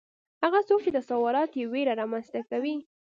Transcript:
هغه څوک چې تصورات یې ویره رامنځته کوي